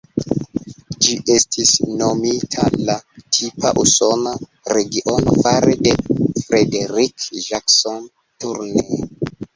Ĝi estis nomita la "tipa usona" regiono fare de Frederick Jackson Turner.